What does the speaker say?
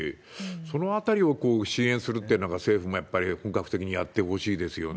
そのあたりを支援するというのが、政府もやっぱり本格的にやってほしいですよね。